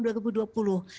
sampai bisa diberikan